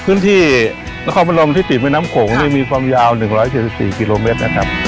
พื้นที่และความบันรมที่ติดในน้ำโขงมีความยาว๑๗๔กิโลเมตร